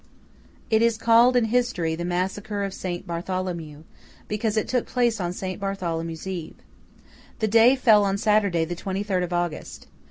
It is called in history, The Massacre of Saint Bartholomew, because it took place on Saint Bartholomew's Eve. The day fell on Saturday the twenty third of August.